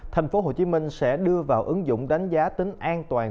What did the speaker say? tp hcm sẽ đưa vào ứng dụng đánh giá tính an toàn